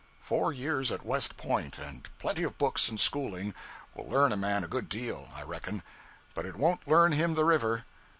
_ Four years at West Point, and plenty of books and schooling, will learn a man a good deal, I reckon, but it won't learn him the river.